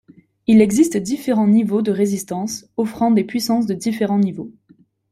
Il existe différents niveaux de résistance, offrant des puissances de différents niveaux.